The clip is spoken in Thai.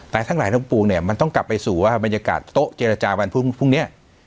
แต่ทั้งหลายทั้งปวงเนี่ยมันต้องกลับไปสู่ว่าบรรยากาศโต๊ะเจรจาวันพรุ่งนี้